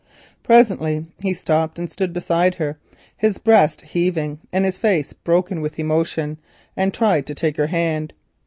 Presently he stopped, his breast heaving and his face broken with emotion, and tried to take her hand.